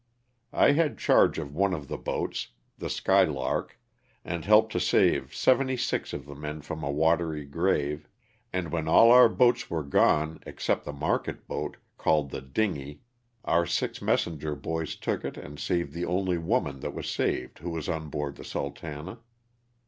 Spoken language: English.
I had charge of one of the boats, the " Sky lark," and helped to save seventy six of the men from a watery grave, and when all our boats were gone LOSS OF THE SULTAN^A. 223 except the market boat, called the ''dingey," our six messenger boys took it and saved the only woman that was saved who was on board the " Sultana."